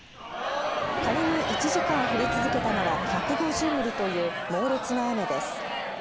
仮に１時間降り続けたなら１５０ミリという猛烈な雨です。